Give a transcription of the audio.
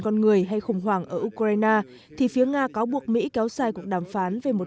con người hay khủng hoảng ở ukraine thì phía nga cáo buộc mỹ kéo dài cuộc đàm phán về một